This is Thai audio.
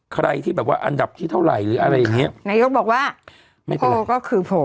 ใครที่แบบว่าอันดับที่เท่าไหร่หรืออะไรอย่างเงี้ยนายกบอกว่าไม่โพลก็คือโพล